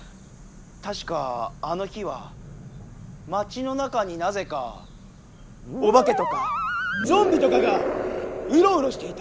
たしかあの日は町の中になぜかおばけとかゾンビとかがうろうろしていた。